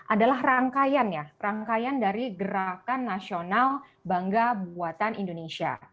adalah rangkaian ya rangkaian dari gerakan nasional bangga buatan indonesia